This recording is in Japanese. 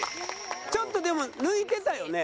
ちょっとでも抜いてたよね？